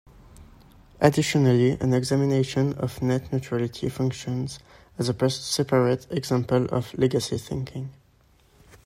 Additionally, an examination of net neutrality functions as a separate example of legacy thinking.